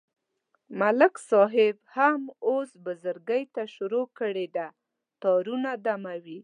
ملک صاحب هم اوس بزرگی ته شروع کړې ده، تارونه دموي.